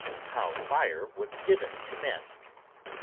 HOW FIRE WAS GIVEN TO MEN.